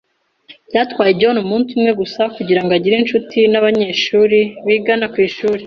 Byatwaye John umunsi umwe gusa kugirango agire inshuti nabanyeshuri bigana kwishuri.